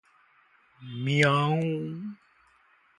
म्याऊ